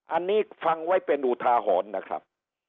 อันนี้ฟังไว้เป็นอุทาหรณ์นะครับ